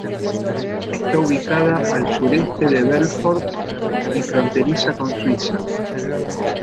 Está ubicada a al sureste de Belfort y fronteriza con Suiza.